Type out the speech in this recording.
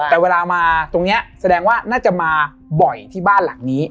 แต่เวลามาตรงนี้แสดงว่าน่าจะมาบ่อยที่บ้านหลังนี้